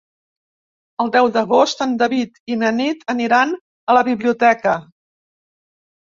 El deu d'agost en David i na Nit aniran a la biblioteca.